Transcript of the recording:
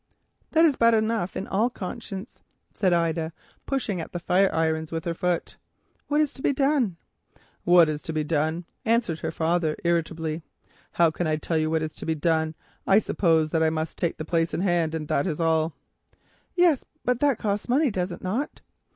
"That is bad enough in all conscience," said Ida, pushing at the fireirons with her foot. "What is to be done?" "What is to be done?" answered her father irritably. "How can I tell you what is to be done? I suppose I must take the place in hand, that is all." "Yes, but that costs money, does it not?"